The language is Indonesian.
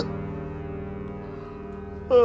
tidak ada apa apa